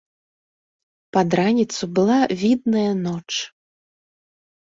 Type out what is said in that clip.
Пад раніцу была відная ноч.